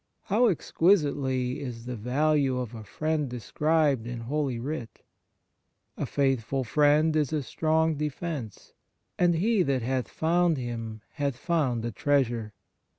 How exquisite ly is the value of a friend described in Holy Writ ! "A faithful friend is a strong defence, and he that hath found him hath found a treasure.